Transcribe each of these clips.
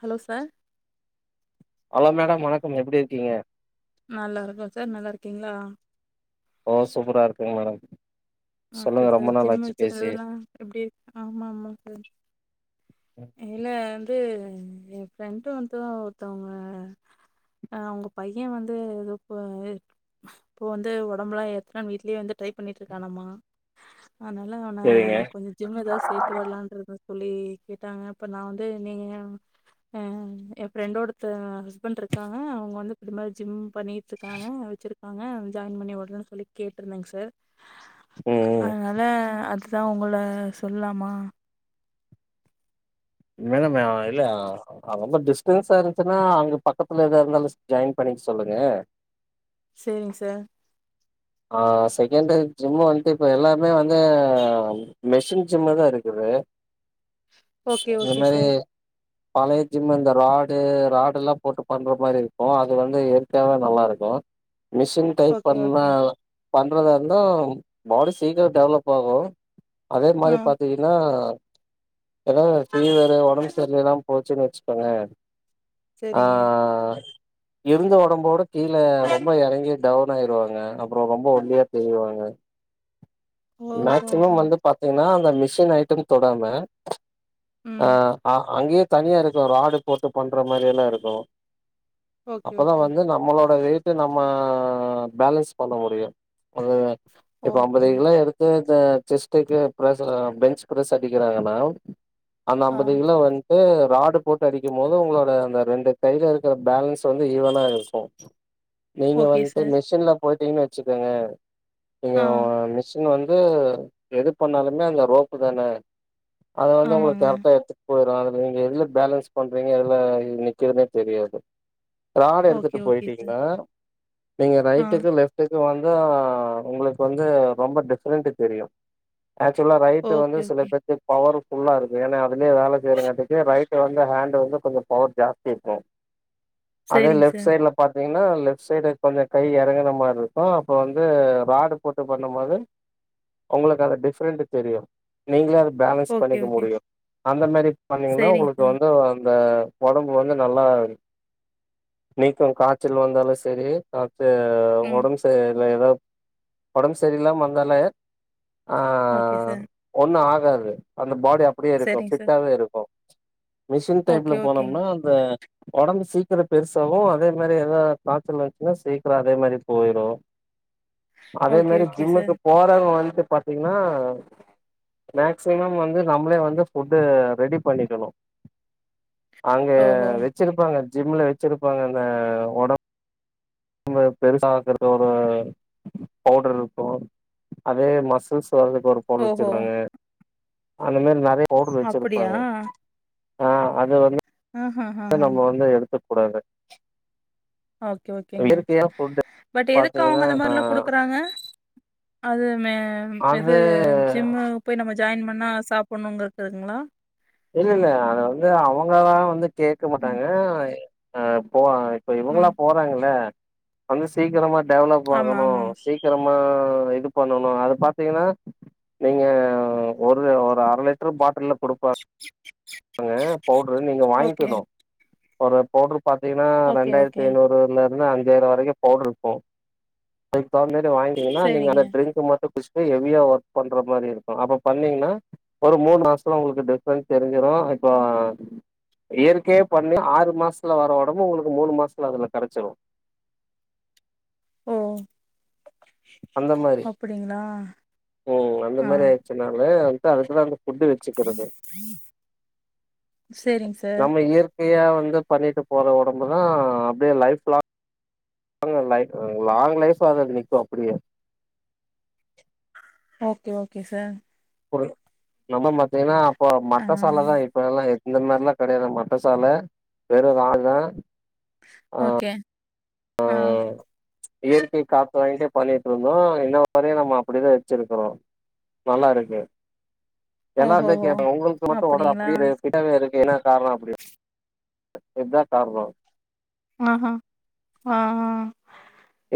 Hello sir hello madam வணக்கம் எப்டி இருக்கீங்க நல்லா இருக்கோ சார் நல்லாருக்கீங்களா ஓ சூப்பரா இருக்கே மேடம் ஓகே சொல்லுங்க ரொம்ப சார் நாள் ஜிம் ஆச்சு பேசி வச்சிருந்ததெல்லா எப்டி ஆமா ஆமா இல்ல வந்து ஏ பிரண்ட்டு வந்து ஒருத்தவங்க ஆ அவங்க பைய வந்து எதோ ப இப்போ வந்து ஒடம்புலா ஏத்துன வீட்லயே வந்து டைப் பண்ணிட்ருக்கானம்மா அதனால அவன சேரிங்க கொஞ்ச ஜிம் ஏதாவது சேத்து விடலானண்ருக்கோ சொல்லி கேட்டாங்க இப்ப நா வந்து நீங்க அ ஏ ஃப்ரெண்டோட தா பண்ட்ருக்காங்க அவங்க வந்து இது மாரி ஜிம் பண்ணிட்ருக்காங்க வெச்சிருக்காங்க ஜாயின் பண்ணி ஓட்றனே சொல்லி கேட்ருந்தேங்க சார் ம் அ ம் அதனால அது தா உங்கள சொல்லாமா மேடம் அவ இல்ல அவங்க டிஸ்ட்டன்சா இருந்துச்சுன்னா அங்க பக்கத்துல எதா இருந்தாலு ஸ் ஜாயின் பண்ணிக் சொல்லுங்க சேரிங்க சார் ஆ செக்கேண்ட்டு ஜிம்மு வந்ட்டு இப்ப எல்லாமே வந்து மெஷின் ஜிம்மு தா இருக்குது [inaudible] ஓகே இந்த ஓகே மாரி சார் பழைய ஜிம் இந்த ராடு ராடுல்லா போட்டு பண்ற மாரி இருக்கூ அது வந்து இயற்கையாவே நல்லாருக்கூ மிஷின் டைப் ஓகே பண்ணா ஓகே பண்றதா இருந்தும் பாடி சீக்குரோ டெவலப் ஆகூ அதே ஆ மாரி பாத்தீங்கன்னா ஏதாவ் ஃபீவர்ரு ஒடம்பு சரியிலாம் போச்சுன்னு வெச்சுக்கோங்களே ஆ சேரிங்க இருந்து ஒடம்போட கீழ ரொம்ப எறங்கி டவுன் ஆயிருவாங்க அப்புறோ ரொம்போ ஒல்லியா தெரிவாங்க ஓஹோ மேக்சிமம் ஹோ வந்து பாத்தீங்கன்னா ல மிஷின் ஐட்டம் தொடாம அ ம் ஆ அங்கேயே தனியா இருக்கூ ராடு போட்டு பண்ற மாரி எல்லா இருக்கூ ஓகே அப்பதா ஓகே வந்து நம்மளோட வெய் ட்டு நம்ம பேலன்ஸ் பண்ண முடியும் அதுவே இப்ப ஓகே அம்பது கிலோ எடு [unintelligible] செஸ்டுக்கு ப்ரெஸ்ல பெஞ்ச் ப்ரெஸ் அடிக்கிறாங்கன்னா அந்த ஆ அம்பது கிலோ வந்ட்டு ராட் டு போட்டு அடிக்கும் போது உங்களோட அந்த ரெண்டு கையில இருக்கிற பேலன்ஸ் வந்து ஈவனா இருக்கூ நீங்க ஓகே வந்ட்டு சார் மிஷீன்ல போயிட்டீங்னே வெச்சுக்கோங்க ஆ நீங்க வந்து எது பண்ணாலுமே அந்த ரோப்பு தானே அது வந்து உங்களுக்கு ஆமாங்க கரெக்டா எடுத்துட் போயிரூ அது நீங்க எதுல பேலன்ஸ் பண்றீங்க எதுல நிக்கிதுனே தெரியாது ராடு எடுத்துட்டு ஓகே ஓகே சார் போயிட்டீங்ன்னா நீங்க ஆ ரைட்டுக்கு லெஃப்டுக் இது வந்து உங்களுக்கு வந்து ரொம்ப டிஃப்ரெண்டு தெரியு ஆக்சுவலா ரைட்டு வந்து ஓகே சில ஓகே பேத்துக்கு பவர் புல்லா இருக்கு ஏன்னா அப்படியே வேல செய்ற காட்டிக்கு ரைட் வந்து ஹேண்டு வந்து கொஞ்ச பவர் ஜாஸ்தி இருக்கூ அதே சேரிங்க லெப்ட் சார் சைட்ல பாத்தா பாத்திங்ன்னா லெப்ட் சைடு கொஞ்ச கை எறங்குன மார்ருக்கூ அப்ப வந்து ராடு போட்டு பாத்து னும் போது உங்களுக்கு அது டிஃபரெண்ட் தெரியும் நீங்ளே அது பேலன்ஸ் ஓகே பண்ணிக்க ஓகே முடியு அந்த மாரி பண்ணீங்கன்னா சேரிங்க ஒங்குளுக்கு சார் வந்து த ஒடம்பு வந்து நல்லா நீக்கு காய்ச்சல் வந்தாலு செரி தே ம் ஒடம்பு செ [unintelligible] ஒடம்பு செரில்லாம வந்தாலே ஆ ஓகே சார் ஒன்னு ஆ [unintelligible] அந்த பாடி அப்டியே இருக்கூ சேரிங்க சார் ஃபிட்டாவே இருக்கூ மிஷின் ஓகே டைப்ல ஓகேங்க போனோம்னா அந்த ஒடம்பு சீக்கிர பெருசாவு அதே மாரி ஏதா காச்சல் வஞ்சின்னா சீக்கர அதே மாரி போயிரு அதே ஓகே மேரி ஓகே சார் ஜிம்முக்கு போறவங்க வந்து பாத்தீங்னா மேக்சிமம் வந்து நம்மளே வந்து ஃபுட்டு ரெடி பண்ணிக்கணு அங்கே ஓஹோ வெச்சிருப்பாங்க ஜிம்ல வெச்சிருப்பாங்க அந்த ஒட ம்பு பெருசாக்குறது ஒரு பவுடருருக்கு அதே மசில்ஸ் வர்துக்கு ஒரு பவுட்ரு ஓஹோ வச்சிருபாங்க அந்த மேரி நறைய போடுரு அப்டியா வச்சிருப்பாங்க ஆ அது வந்து ஆஹஹஹ நம்ப வந்து எடுத்துட் கூடாது ஓகே ஓகேங்க இயற்கையா ஃபுட்டு பட் எதுக்கு பாத்தீங்கன்னா அவுங்க அந்த மார்லா குடுக்குறாங்க அதுமே ம் அது இது ஜிம்மு போய் நம்ம ஜாயின் பன்னா சாப்புட்ணுங்குருதுங்ளா இல்லல்ல அது வந்து அவங்கதா வந்து கேட்க ம் மாட்டாங்க ஆ போ [unintelligible] இப்ப இவங்களா ம் போறாங்கல்ல வந்து சீக்கிரமா டெவலப் ஆமா ஆகணு ஆமா சீக்கிரமா [unintelligible] இது பண்ணுனு அது பாத்தீங்கனா நீங்க ஒரு ஒரு அர லிட்ரு பாட்டில்ல குடுப்பா ங்க பவுட்ரு நீங்க ஓகே வாய்ங்க்கணு ஒரு பவுட்ரு பாத்தீங்கனா ஓகே ரண்டாயிரத்தி ஓகே ஐநூறுல மினிமோ அஞ்சாயிர வரைக்கு பவுடர் இருக்கு அதுக்கு தகுந்த வாங்கனிங்கன்னா நீங்க சேரிங்க. அந்த ட்ரிங்க் மட்டு [unintelligible] ஹெவியா ஒர்க் பண்ற மாரி இருக்கு அப்ப பண்ணீங்கன்னா ஒரு மூணு மாசல உங்களுக்கு டிபரன்ஸ் தெரிஞ் சுரு இப்போ இயற்கைய பண்ணி ஆறு மாசத்துல வர ஒடம்பு உங்களுக்கு மூணு மாசத்துல அதுல கரச்சுரு ஓ அந்த மாரி அப்டிங்களா? உம் அந்த மாரி ஆயிடுச்சுனால [unintelligible] சேரிங்க சார் கைய வந்து பண்ணிட்டு போற ஒடம்பு தா அப்டியே லைஃப் லாங் [unintelligible] லாங் லைஃப் நிக்கு அப்டியே ஓகே ஓகே சார் ஒரு நம்ம பாத்தீங்கன்னா இப்ப ஆ மட்ட சால இப்ப எல்லா இந்த மாரிலா கெடையாது மட்ட சல வெறு [unintelligible] ஓகே ஆ இயற்கை காத்து வாங்கிட்டே பண்ணிட்டுருந்தோ இன்ன வரையு நம்ம அப்டிதா வெச்சிருக்கறோ நல்லா இருக்கு எல்லா வந்து ஓஹோஹோ கேப்பாங் உங்களுக்கு அப்டிங்களா? அப்டிய [unintelligible] என்ன காரண அப்டினு இத காரணோ ஆஹ ஆஹ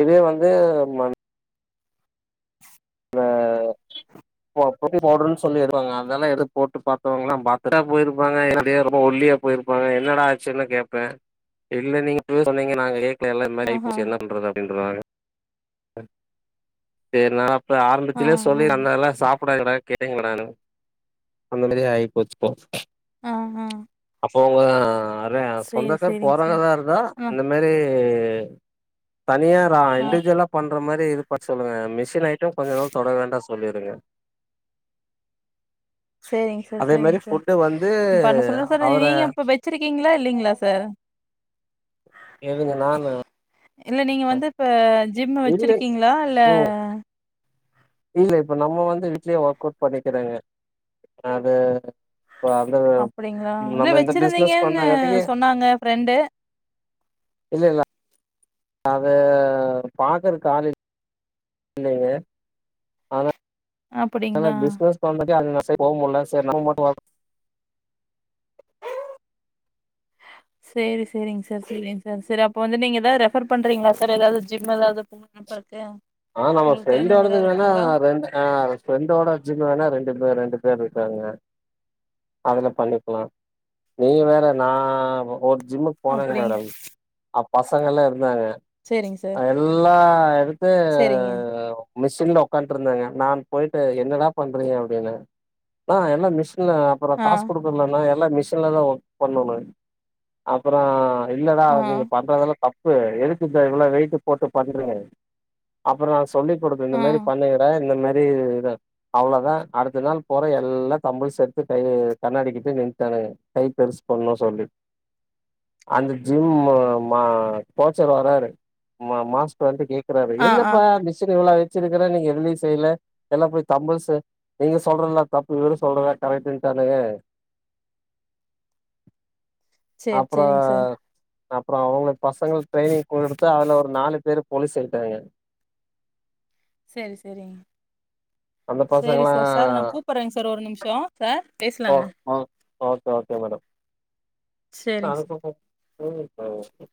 அதே வந்து மண் இந்த போ போதி பவுடர்னு சொல்லிடுவாங்க அதெல்லா எது போட்டு பாத்தவங்கள பாத்துட்டா போயிருப்பாங்க இல்ல ஒல்லியா போயிருப்பாங்க என்னடா ஆச்சுன்னு கேடப்பே இல்ல நீங்க அப்போவே சொன்னீங்க நாங்க எல்லா இந்த மாரி ஆஹா ஆயிபோச் என்ன பண்றது [unintelligible] பெர்னா அப்ப ஆ ஆரம்பத்துலயே சொல்லி ஆ அந்தல்லா சாப் கூட [inaudible] அந்த மாரி ஆயிப்போச்சு இப்போ ஆ ஹ போங்க எ சொந்தக்கார் சார். போறாகதா இருந்தா ஆ இந்த மாரி டு தனியாரா ஆ இன்டுவிஜுவலா பண்ற மாரி இது பாத்து சொல்லுங்க மிஷ் மிஷின் ஐட்டம் கொஞ்ச நாள் தொட வேண்டா சொ சொல்லிடுங்க சேரிங் சார் சேரிங் சார் பண்ண சொல்ற சார் அவர நீங்க இப்ப வச்சிருக்கீங்களா இ இல்லிங்களா சார் எதுங்க நானா இல்ல நீங்க வந்து இப்ப ஜிம்மு இல்லை வச்சிருக்கீங்களா இல்ல ம் இல்ல இப்ப நம்ம வந்து வீட்லயே ஒர்க் அவுட் பண்ணிக்கிறேங்க அது இப்ப அந்த அப்டிங்களா இல்ல நம்ம இந்த பிசினஸ்க்கு வச்சிருந்தீங்கன்னு வந்தங்காட்டிக்கு சொன்னாங்க ஃப்ரெண்டு இல்லல்ல அது பாக்குறக்கு ஆளு இல்லைங்க ஆனா அதுனால அப்டிங்களா? பிஸ்னஸ் [unintelligible] அதுதா செரி போ முல்ல செரி நம்ம மட்டு [unintelligible] சேரி சேரிங் சார் செரிங்க சார் செரி அப்ப வந்து நீங்க ஏதாது ரெஃபர் பண்றீங்களா சார் ஏதாவது ஜிம் ஏதாது [unintelligible] ஆ நம்ம ஃப்ரெண்டோடது வேணா ரெண்டு அ ஃப்ரெண்டோட ஜிம்மு வேணா ரெண்டு பேர் ரெண்டு பேர் இருக்காங்க அதுல பண்ணிக்கலா நீங்க வேற நா ஜிம்முக்கு போனேங்க அப்டி மேடம் அப் பசங்க எல்லா இருந்தாங்க எல்லா எடு செரிங்க மிஷின்ல உக்கான்ட்டு இருந்தாங்க நான் போயிட்டு என்னடா பண்றீங்க அப்டின்னே நா எல்லா மிஷ் இல்லனா அப்றோ ஆ காசு குடுக்கனுலனா நல்ல மிஷின்ல தா ஒர்க் பண்ணோ நாங் அப்பறோ இல்லடா ஆ அது நீங்க பண்றதல்லா தப் ப்பு எதுக்கு இந்த இவ்ளோ வெயிட்டு போட்டு பண்றீங்க அப்பறோ சொல்லி் குடுக்கணு ஆ இந்த மாரி பண்ணுகடா இந்த மாரி [unintelligible] இதுதா அவ்ளோதா அடுத்த நாள் போறே எல்லா தம்புல்ஸ் எடுத்து கைல கண்ணாடி கிட்ட நின்டாங்க கை பெரிசு பண்ணோ சொல்லி அந்த ஜிம் மா கோச்சர் வராரு மா மாஸ்டர் வந்து கேக் க்கராரு ஆ ஆ என்னப்பா மிஷின் இவ்ளோ வெய் ச்சிருக்குற நீங்க எதுலியு செய்ல எல்லா போய் தம்புல்ஸு நீங்க சொல்றதுல தப்பு இவரு சொல்றதா கரெட்டுன் டானுங்க சேரி அப்றோ சேரிங்க சார். அப்றோ அவுங்களுக்கு பசங்களுக்கு ட்ரைனிங் கொடுத்து அதுல ஒரு நாலு பேரு போலீஸு ஆய் ட்டாய்ங்க சேரி செரிங் அந்த சேரி பசங்கல்லா சார் சார் நா கூப்பறேங்க சார் ஒரு நிம்ஷோ சார் ஓ பேசலாங்க. ஆ ஓகே ஓகே மேடம் சேரிங்க சார். [unintelligible] [unintelligible]